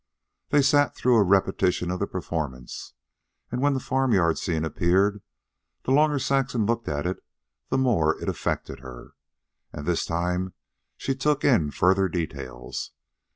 They sat through a repetition of the performance, and when the farm yard scene appeared, the longer Saxon looked at it the more it affected her. And this time she took in further details.